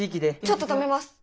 ちょっと止めます！